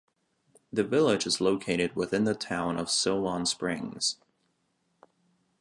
The village is located within the Town of Solon Springs.